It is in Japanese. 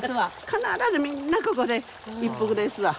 必ずみんなここで一服ですわ。